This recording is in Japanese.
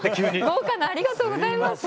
豪華なありがとうございます。